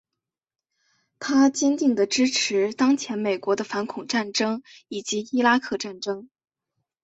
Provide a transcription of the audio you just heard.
他坚定的支持当前美国的反恐战争以及伊拉克战争。